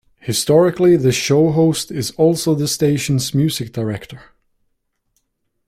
Historically, the show host is also the station's music director.